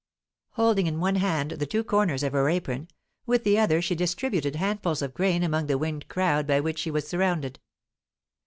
Holding in one hand the two corners of her apron, with the other she distributed handfuls of grain among the winged crowd by which she was surrounded.